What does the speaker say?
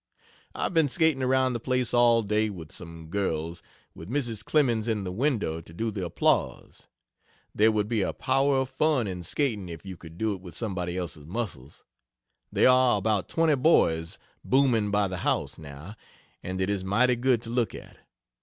I've been skating around the place all day with some girls, with Mrs. Clemens in the window to do the applause. There would be a power of fun in skating if you could do it with somebody else's muscles. There are about twenty boys booming by the house, now, and it is mighty good to look at.